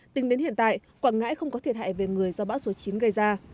tính đến hiện tại quảng ngãi không có thiệt hại về người do bão số chín gây ra